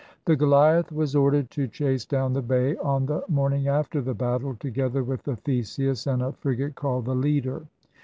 The Goliath was ordered to chase down the bay, on the morning after the battle, together with the Theseus and a frigate called the Leader.